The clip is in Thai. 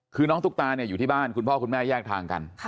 คือน้องตุ๊กตาเนี่ยอยู่ที่บ้านคุณพ่อคุณแม่แยกทางกัน